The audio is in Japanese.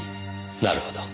なるほど。